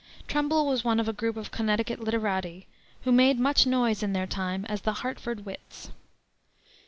Trumbull was one of a group of Connecticut literati, who made much noise in their time as the "Hartford Wits."